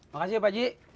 makasih ya pak haji